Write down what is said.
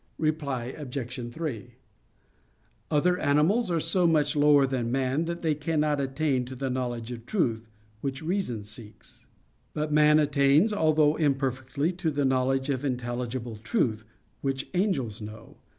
Reply Obj. 3: Other animals are so much lower than man that they cannot attain to the knowledge of truth, which reason seeks. But man attains, although imperfectly, to the knowledge of intelligible truth, which angels know.